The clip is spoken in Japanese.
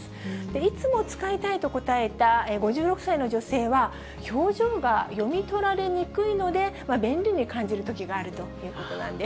いつも使いたいと答えた５６歳の女性は、表情が読み取られにくいので、便利に感じるときがあるということなんです。